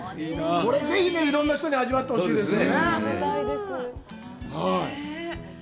これ、ぜひいろんな人に味わってほしいですね。